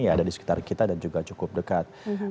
yang ada di sekitar kita dan juga cukup dekat